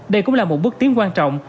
đây cũng là một bước tiến quan trọng